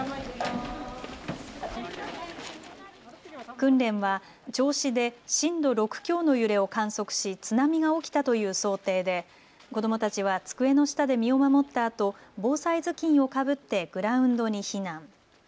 訓練は銚子で震度６強の揺れを観測し津波が起きたという想定で子どもたちは机の下で身を守ったあと、防災頭巾をかぶってグラウンドに避難。